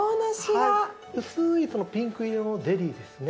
薄いピンク色のゼリーですね。